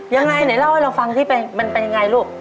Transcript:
ยังไงไหนเล่าให้เราฟังสิมันเป็นยังไงลูก